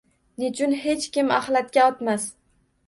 Nechun hech kim axlatga otmas.